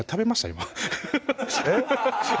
今えっ？